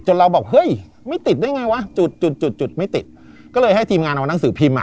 เราบอกเฮ้ยไม่ติดได้ไงวะจุดจุดจุดจุดไม่ติดก็เลยให้ทีมงานเอานังสือพิมพ์อ่ะ